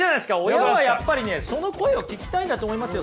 親はやっぱりねその声を聞きたいんだと思いますよ。